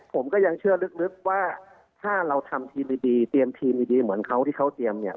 ผมก็ยังเชื่อลึกว่าถ้าเราทำทีมดีเตรียมทีมดีเหมือนเขาที่เขาเตรียมเนี่ย